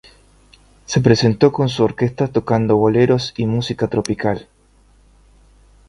Se presentó con su orquesta tocando boleros y música tropical.